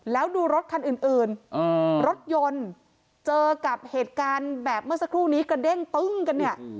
แล้วดูรถคันอื่นรถยนต์เจอกับเหตุการณ์แบบเมื่อสักครู่นี้กระเด้งตึ้งกันเนี่ย